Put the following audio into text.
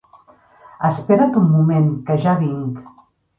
Espera't un moment, que ja vinc.